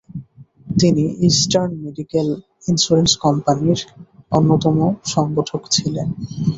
তিনি Eastern Federal Insurance কোম্পানির অন্যতম সংগঠক ছিলেন।